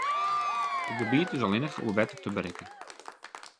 It gebiet is allinnich oer wetter te berikken.